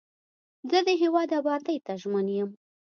زه د هیواد ابادۍ ته ژمن یم.